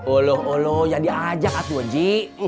oloh oloh yang diajak atuwe ji